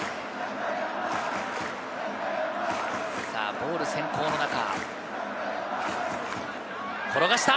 ボール先行の中、転がした！